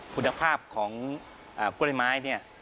คุณภาพของกล้วยไม้